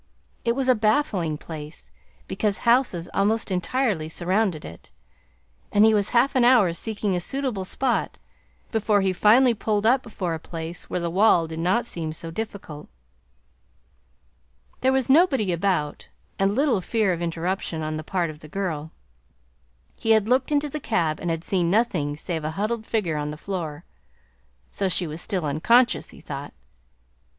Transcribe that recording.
It was a baffling place, because houses almost entirely surrounded it; and he was half an hour seeking a suitable spot before he finally pulled up before a place where the wall did not seem so difficult. There was nobody about and little fear of interruption on the part of the girl. He had looked into the cab and had seen nothing save a huddled figure on the floor. So she was still unconscious, he thought.